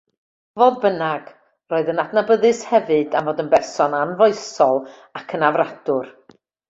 Fodd bynnag, roedd yn adnabyddus hefyd am fod yn berson anfoesol ac yn afradwr.